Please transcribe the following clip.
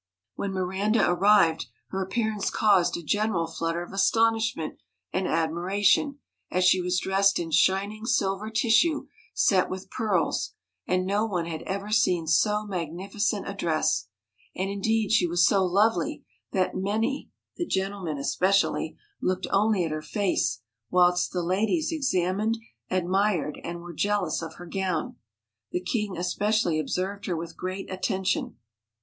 When Miranda arrived, her appearance caused a general flutter of astonishment and admiration, as she was dressed in shining silver tissue set with pearls, and no one had ever seen so magnificent a dress ; and indeed she was so lovely that many the gentlemen especially looked only at her face, whilst the ladies examined, admired, and were jealous of her gown. The king especially observed her with great attention.